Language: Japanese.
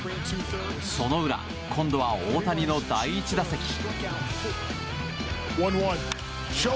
その裏、今度は大谷の第１打席。